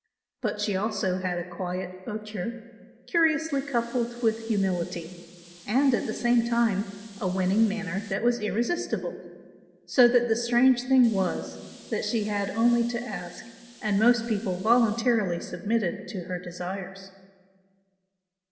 But she also had a quiet hauteur, curiously coupled with humility, and at the same time a winning manner that was irresistible; so that the strange thing was that she had only to ask and most people voluntarily submitted to her desires.